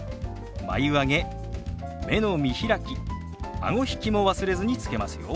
眉上げ目の見開きあご引きも忘れずにつけますよ。